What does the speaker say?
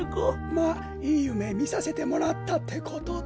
まあいいゆめみさせてもらったってことだ。